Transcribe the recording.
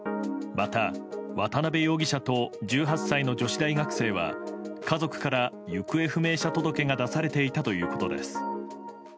また、渡邉容疑者と１８歳の女子大学生は家族から行方不明者届が出されていたということです。